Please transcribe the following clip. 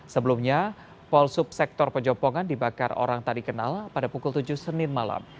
sebelumnya pol subsektor pejombongan dibakar orang tadi kenal pada pukul tujuh senin malam